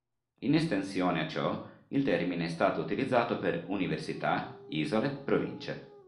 In estensione a ciò il termine è stato utilizzato per università, isole, province.